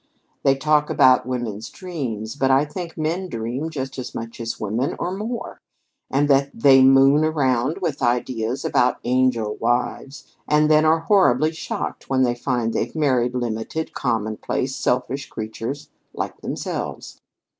They talk about women's dreams, but I think men dream just as much as women, or more, and that they moon around with ideas about angel wives, and then are horribly shocked when they find they've married limited, commonplace, selfish creatures like themselves.